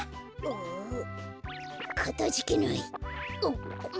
んかたじけない。